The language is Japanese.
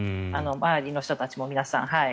周りの人たちも皆さん。